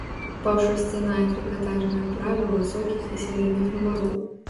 Паўшарсцяная трыкатажная пража высокіх і сярэдніх нумароў.